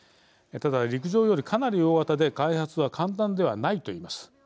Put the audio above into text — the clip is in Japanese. ただ、陸上よりかなり大型で開発は簡単ではないと言います。